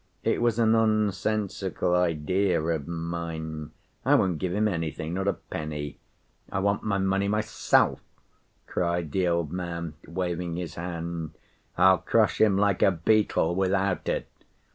It was a nonsensical idea of mine. I won't give him anything, not a penny, I want my money myself," cried the old man, waving his hand. "I'll crush him like a beetle without it.